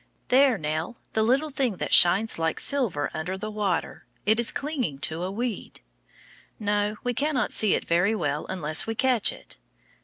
There, Nell, that little thing that shines like silver under the water. It is clinging to a weed. No, we cannot see it very well unless we catch it.